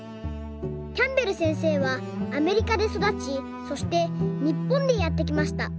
キャンベルせんせいはアメリカでそだちそしてにっぽんにやってきました。